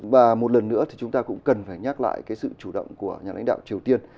và một lần nữa thì chúng ta cũng cần phải nhắc lại cái sự chủ động của nhà lãnh đạo triều tiên